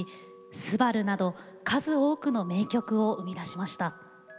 「昴−すばる−」など数多くの名曲を生み出しました。